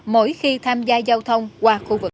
mỗi khi tham gia giao thông qua khu vực